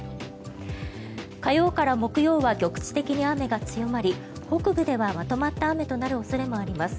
火曜から木曜は局地的に雨が強まり北部ではまとまった雨となる恐れもあります。